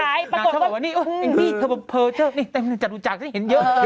มันค่อย